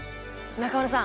中丸さん。